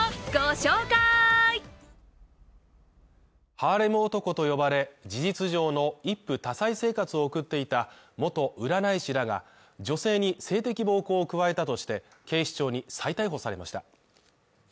ハーレム男と呼ばれ、事実上の一夫多妻生活を送っていた元占い師らが女性に性的暴行を加えたとして、警視庁に再逮捕されました。